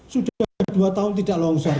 sudah dua tahun tidak longsor